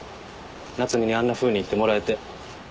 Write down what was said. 夏海にあんなふうに言ってもらえて。